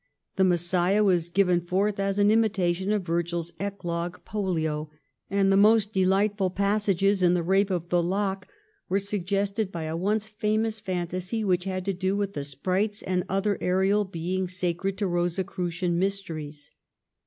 'The Messiah' was given forth as an imitation of Virgil's eclogue ' Pollio,' and the most delightful passages in ' The Eape of the Lock ' were suggested by a once famous phantasy which had to do with the sprites and other aerial beings sacred to Eosicrucian mysteries.